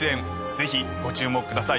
ぜひご注目ください。